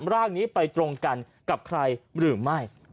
ร่างนี้ไปตรงกันกับใครหรือไม่